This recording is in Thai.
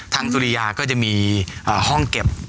สุริยาก็จะมีห้องเก็บ